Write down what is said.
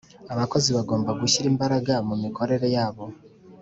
Abakozi bagomba gushyira imbaraga mu mikorere yabo